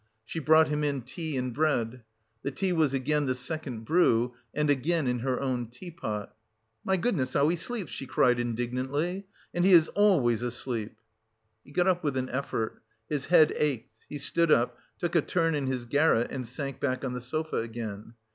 She brought him in tea and bread. The tea was again the second brew and again in her own tea pot. "My goodness, how he sleeps!" she cried indignantly. "And he is always asleep." He got up with an effort. His head ached, he stood up, took a turn in his garret and sank back on the sofa again.